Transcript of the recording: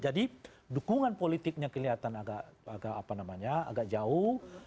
jadi dukungan politiknya kelihatan agak jauh